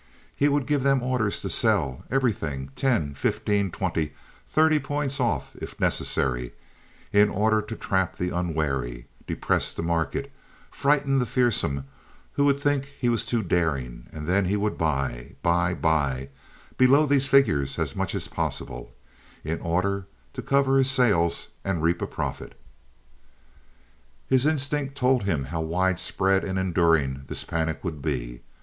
He would give them orders to sell—everything—ten, fifteen, twenty, thirty points off, if necessary, in order to trap the unwary, depress the market, frighten the fearsome who would think he was too daring; and then he would buy, buy, buy, below these figures as much as possible, in order to cover his sales and reap a profit. His instinct told him how widespread and enduring this panic would be.